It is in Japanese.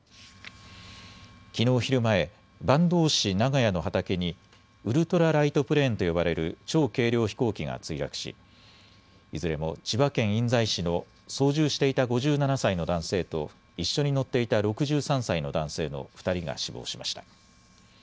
きのう昼前、坂東市長谷の畑にウルトラライトプレーンと呼ばれる超軽量飛行機が墜落しいずれも千葉県印西市の操縦していた５７歳の男性と一緒に乗っていた６３歳の男性の２人が死亡しました。